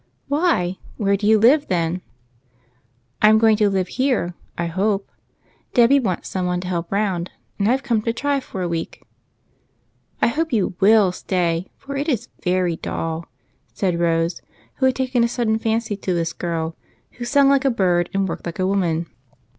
" Why, where do you live, then ?"" I 'm going to live here, I hope. Debby wants some one to help round, and I 've come to try for a week." " I hope you will stay, for it is very dull," said Rose, who had taken a sudden fancy to this girl, who sung like a bird and worked like a woman.